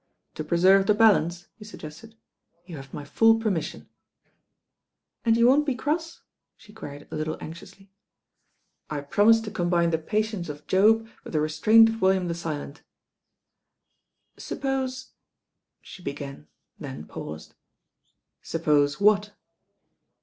"To preserve the balance?" ne suggested, ••you have my full permission." ••And you won't be cross?" she queried a little anxiously. •l promise to combine the patience of Job with the restraint of William the Silent." •'Suppose ^" she began, then paused. •'Suppose what?"